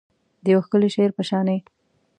د یو ښکلي شعر په شاني